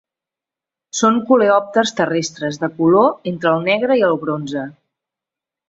Són coleòpters terrestres de color entre el negre i el bronze.